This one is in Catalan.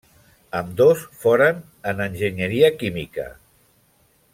Ambdós foren en enginyeria química.